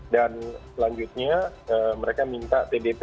dan selanjutnya mereka minta tdp